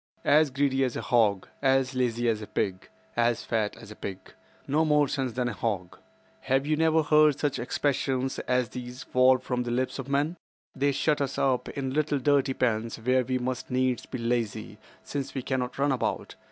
"'As greedy as a hog.' 'As lazy as a pig.' 'As fat as a pig.' 'No more sense than a hog.' Have you never heard such expressions as these fall from the lips of men? They shut us up in little dirty pens where we must needs be lazy, since we cannot run about.